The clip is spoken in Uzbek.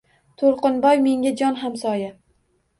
To‘lqinboy menga jon hamsoya.